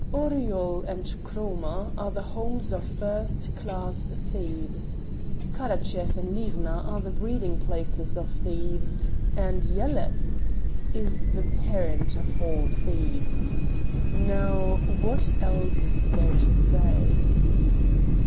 "Oryol and Kroma are the homes of first class thieves. Karachev and Livna are the breeding places of thieves. And Yeletz—is the parent of all thieves. Now—what else is there to say?"